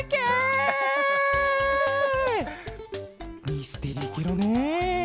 ミステリーケロね！